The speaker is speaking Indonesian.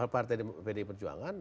partai pd perjuangan